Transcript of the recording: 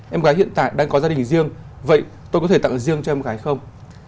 em gái hiện tại đang có gia đình riêng vậy tôi có thể tặng riêng cho em gái không